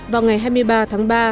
vào ngày hai mươi ba tháng ba